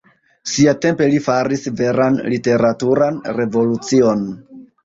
Siatempe li faris veran literaturan revolucion.